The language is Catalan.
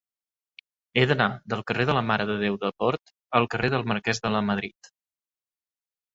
He d'anar del carrer de la Mare de Déu de Port al carrer del Marquès de Lamadrid.